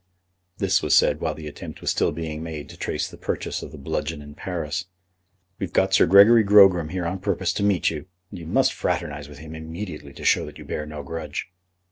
This was said while the attempt was still being made to trace the purchase of the bludgeon in Paris. "We've got Sir Gregory Grogram here on purpose to meet you, and you must fraternise with him immediately, to show that you bear no grudge."